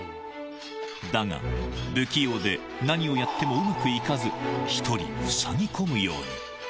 だが、不器用で、何をやってもうまくいかず、１人ふさぎこむように。